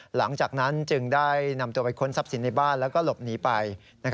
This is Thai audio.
หลังจากนั้นจึงได้นำตัวไปค้นทรัพย์สินในบ้านแล้วก็หลบหนีไป